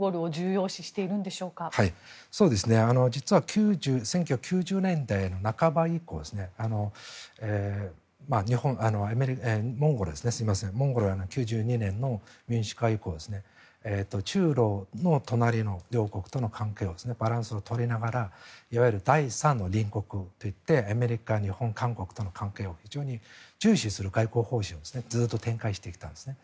実は１９９０年代半ば以降モンゴルは９２年の民主化以降中ロの隣の両国との関係をバランスを取りながらいわゆる第三の隣国といってアメリカ、日本、韓国との関係を非常に重視する外交方針をずっと展開してきたんですね。